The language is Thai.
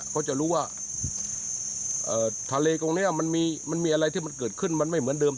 เขาจะรู้ว่าทะเลตรงนี้มันมีอะไรที่มันเกิดขึ้นมันไม่เหมือนเดิม